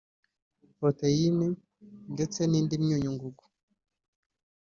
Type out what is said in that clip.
proteyine(Proteine/Protein) ndetse n’indi myunyu ngugu